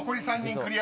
［クリア！］